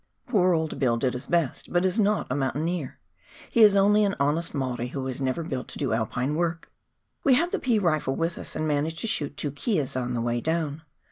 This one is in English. Poor old Bill did his best, but is not a mountaineer ; he is only an honest Maori who was never built to do Alpine work ! We had the pea rifle with us and managed to shoot two keas on the way down.